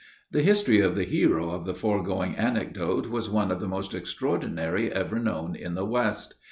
The history of the hero of the foregoing anecdote was one of the most extraordinary ever known in the West.